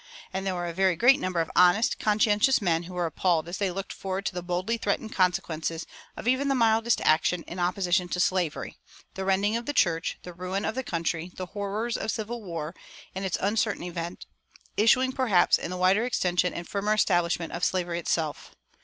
And there were a very great number of honest, conscientious men who were appalled as they looked forward to the boldly threatened consequences of even the mildest action in opposition to slavery the rending of the church, the ruin of the country, the horrors of civil war, and its uncertain event, issuing perhaps in the wider extension and firmer establishment of slavery itself.